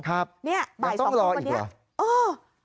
ครับยังต้องรออีกเหรอ